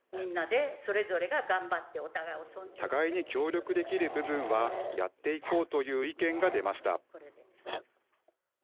互いに協力できる部分はやっていこうという意見が出ました。